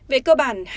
về cơ bản